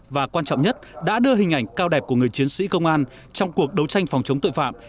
và quan trọng nhất đã đưa hình ảnh cao đẹp của người chiến sĩ công an trong cuộc đấu tranh phòng chống tội phạm